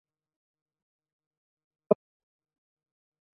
西藏隔距兰为兰科隔距兰属下的一个种。